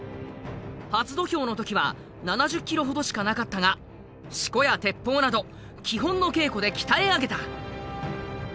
初土俵の時は７０キロほどしかなかったが四股やテッポウなど基本の稽古で鍛え上げた。